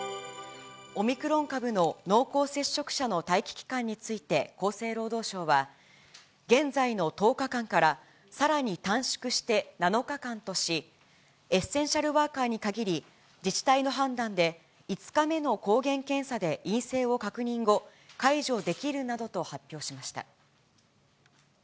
オミクロン株の濃厚接触者の待機期間について、厚生労働省は、現在の１０日間から、さらに短縮して７日間とし、エッセンシャルワーカーに限り、自治体の判断で、５日目の抗原検査で陰性を確認後、解除できるなどと発表しました。